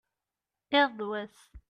iḍ d wass